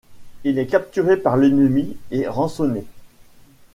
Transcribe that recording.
Il y est capturé par l'ennemi et rançonné.